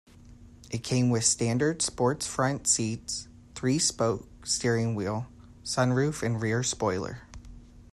It came with standard sports front seats, three-spoke steering wheel, sunroof, and rear spoiler.